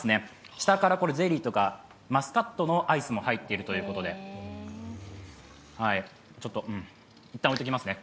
下からゼリーとかマスカットのアイスも入っているということでちょっと、いったんおいておきますね。